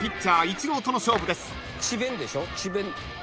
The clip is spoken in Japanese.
イチローとの勝負です］